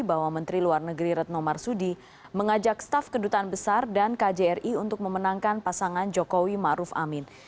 bahwa menteri luar negeri retno marsudi mengajak staf kedutaan besar dan kjri untuk memenangkan pasangan jokowi ⁇ maruf ⁇ amin